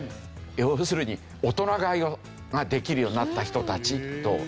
要するに大人買いができるようになった人たちというわけですね。